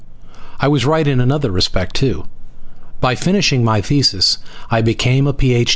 I was right in another respect too. By finishing my thesis I became a Ph.